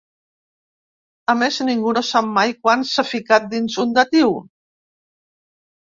A més, ningú no sap mai quan s'ha ficat dins un Datiu.